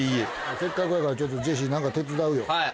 せっかくやからジェシー何か手伝うよ。